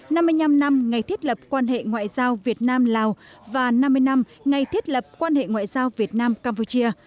năm mươi năm năm ngày thiết lập quan hệ ngoại giao việt nam lào và năm mươi năm ngày thiết lập quan hệ ngoại giao việt nam campuchia